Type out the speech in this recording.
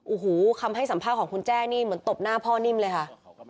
โอ้โหคำให้สัมภาษณ์ของคุณแจ้นี่เหมือนตบหน้าพ่อนิ่มเลยค่ะ